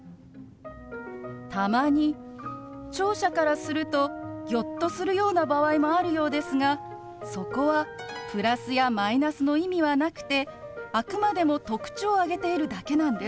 たまに聴者からするとギョッとするような場合もあるようですがそこはプラスやマイナスの意味はなくてあくまでも特徴を挙げているだけなんです。